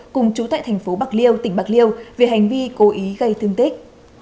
cùng chú tại tp bạc liêu tỉnh bạc liêu về hành vi cố ý gây thương tích